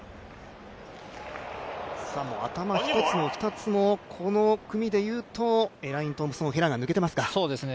頭１つも２つも、この組でいうと、エライン・トンプソン・ヘラが抜けていますか。